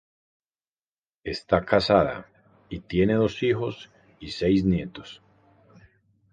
Está casada, y tiene dos hijos y seis nietos.